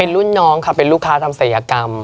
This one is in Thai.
รุ่นน้องค่ะเป็นลูกค้าทำศัยกรรม